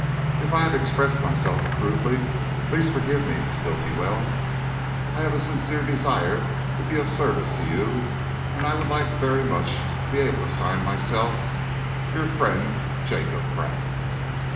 If I have expressed myself crudely, please forgive me, Miss Bultiwell. I have a sincere desire to be of service to you, and I would like very much to be able to sign myself Your friend, Jacob Pratt.